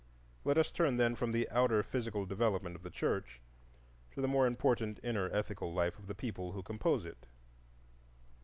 Let us turn, then, from the outer physical development of the church to the more important inner ethical life of the people who compose it.